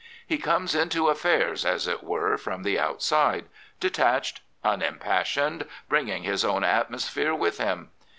He comes into affairs, as it were, from the outside, detached, unimpassioned, bringing his own atmosphere with him.